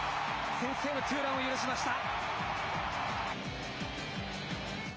先制のツーランを許しました。